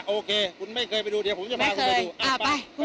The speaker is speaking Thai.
โอเคคุณไม่เคยไปดูเดี๋ยวผมจะพาคุณไปดูไป